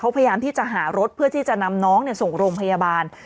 พยายามที่จะหารถเพื่อที่จะนำน้องส่งโรงพยาบาล